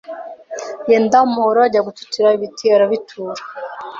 Yenda umuhoro ajya gututira ibiti arabitura